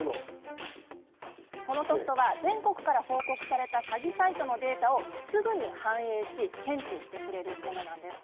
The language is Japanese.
このソフトは全国から報告された詐欺サイトのデータをすぐに反映し、検知してくれます。